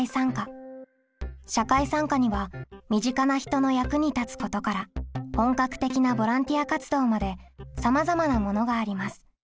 社会参加には身近な人の役に立つことから本格的なボランティア活動までさまざまなものがあります。